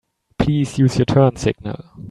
Please use your turn signal.